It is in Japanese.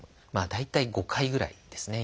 大体５回ぐらいですね